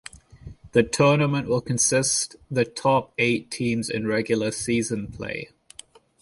The tournament will consist the top eight teams in regular season play.